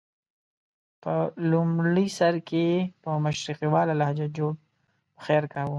په لومړي سر کې یې په مشرقیواله لهجه جوړ پخیر کاوه.